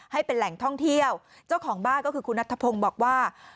ให้เป็นแหล่งท่องเที่ยวเจ้าของบ้านก็คือคุณนัทธพงศ์บอกว่า